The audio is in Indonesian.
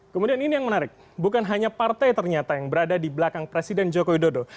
kemudian ini yang menarik bukan hanya partai ternyata yang berada di belakang presiden joko widodo